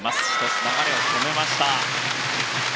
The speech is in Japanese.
１つ流れを止めました。